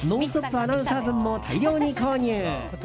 アナウンサー分も大量に購入。